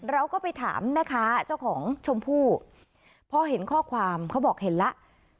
เราก็ไปถามแม่ค้าเจ้าของชมพู่พอเห็นข้อความเขาบอกเห็นแล้ว